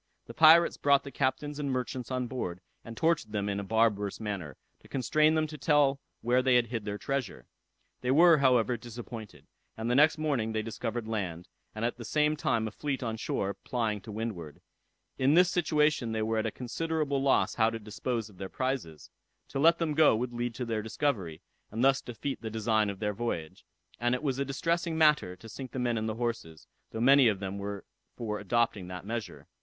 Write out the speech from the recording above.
The pirates brought the captains and merchants on board, and tortured them in a barbarous manner, to constrain them to tell where they had hid their treasure. They were, however, disappointed; and the next morning they discovered land, and at the same time a fleet on shore plying to windward. In this situation they were at a considerable loss how to dispose of their prizes. To let them go would lead to their discovery, and thus defeat the design of their voyage; and it was a distressing matter to sink the men and the horses, though many of them were for adopting that measure.